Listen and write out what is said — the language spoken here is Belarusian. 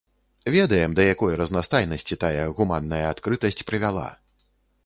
Ведаем, да якой разнастайнасці тая гуманная адкрытасць прывяла.